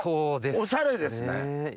おしゃれですね。